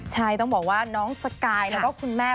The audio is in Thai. ใช่ต้องบอกว่าน้องสกายแล้วก็คุณแม่